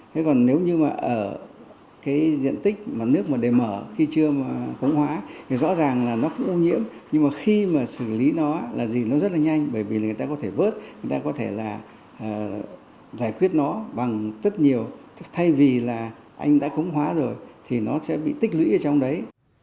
thế còn nếu như mà ở cái diện tích mà nước mà đề mở khi chưa mà công hóa thì rõ ràng là nó cũng ô nhiễm nhưng mà khi mà xử lý nó là gì nó rất là nhanh bởi vì người ta có thể vớt người ta có thể là giải quyết nó bằng rất nhiều thay vì là anh đã công hóa rồi thì nó sẽ bị tích lũy ở trong đấy